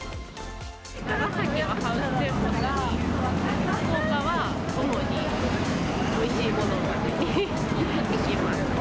長崎はハウステンボスに、福岡は主においしいものを食べに行きます。